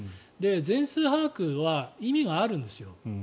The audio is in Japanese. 全数把握は意味があるんですよ。